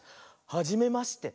「はじめまして」。